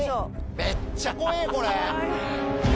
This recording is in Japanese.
めっちゃ怖え、これ。